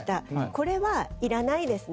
これはいらないですね。